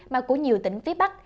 mà của nhiều tỉnh phía bắc